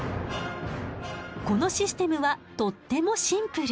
このシステムはとってもシンプル。